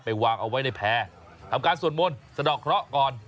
วางเอาไว้ในแพร่ทำการสวดมนต์สะดอกเคราะห์ก่อน